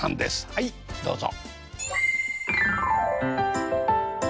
はいどうぞ。